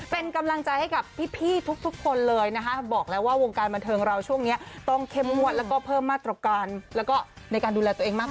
เป็นกำลังใจให้กับพี่ทุกคนเลยนะคะบอกแล้วว่าวงการบันเทิงเราช่วงนี้ต้องเข้มงวดแล้วก็เพิ่มมาตรการแล้วก็ในการดูแลตัวเองมาก